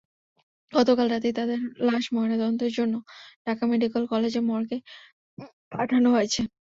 গতকাল রাতেই তাঁদের লাশ ময়নাতদন্তের জন্য ঢাকা মেডিকেল কলেজের মর্গে পাঠানো হয়েছে।